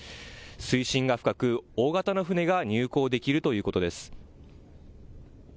水深が深く、大型の船が入港できるということです。